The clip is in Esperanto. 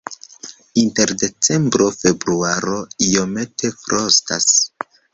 Inter decembro-februaro iomete frostas.